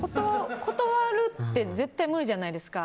断るって無理じゃないですか。